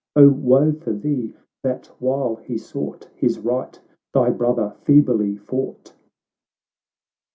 O woe for thee, that while he sought His right, thy brother feebly fought